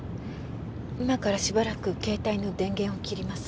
今からしばらく携帯の電源を切ります。